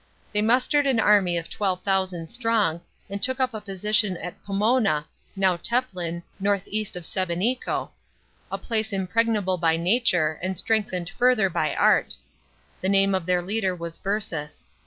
They mustered an army 12,000 strong, and took up a position at Promona (now Teplin, north east of Sebenico) a place im pregnable by nature, and strengthened further by art. The name of their leader was Versus.